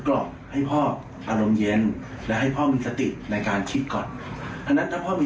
หลอกให้พ่ออารมณ์เย็นและให้พ่อมีสติในการคิดก่อนอันนั้นถ้าพ่อมี